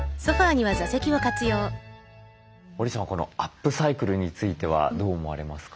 織さんこのアップサイクルについてはどう思われますか？